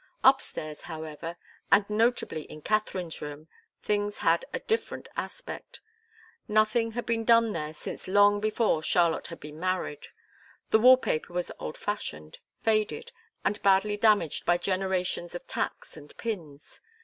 Upstairs, however, and notably in Katharine's room, things had a different aspect. Nothing had been done there since long before Charlotte had been married. The wall paper was old fashioned, faded, and badly damaged by generations of tacks and pins.